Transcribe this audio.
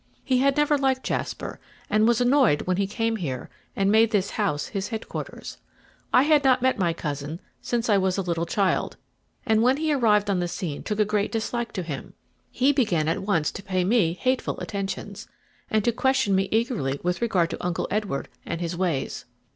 He had never liked Jasper, and was annoyed when he came here and made this house his headquarters. I had not met my cousin since I was a little child, and when he arrived on the scene took a great dislike to him. He began at once to pay me hateful attentions, and to question me eagerly with regard to Uncle Edward and his ways.